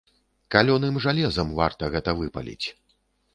Калёным жалезам варта гэта выпаліць.